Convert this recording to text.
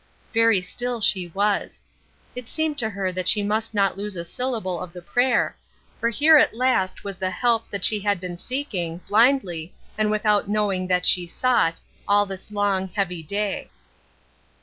Very still she was. It seemed to her that she must not lose a syllable of the prayer, for here at last was the help she had been seeking, blindly, and without knowing that she sought, all this long, heavy day.